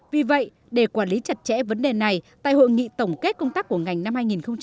vì vậy để quản lý chặt chẽ vấn đề này tại hội nghị tổng kết công tác của ngành năm hai nghìn một mươi chín